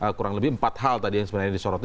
kurang lebih empat hal tadi yang sebenarnya disoroti